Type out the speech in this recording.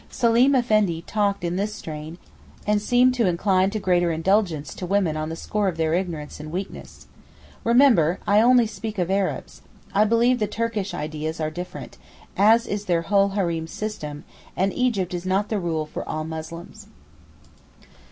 Seleem Effendi talked in this strain, and seemed to incline to greater indulgence to women on the score of their ignorance and weakness. Remember, I only speak of Arabs. I believe the Turkish ideas are different, as is their whole hareem system, and Egypt is not the rule for all Muslims.